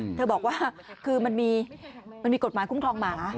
อืมเธอบอกว่าคือมันมีมันมีกฏหมายคลุมคลองหมา